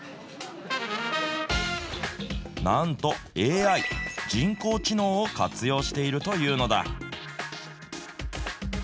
なんとＡＩ・人工知能を活用しているというのだ。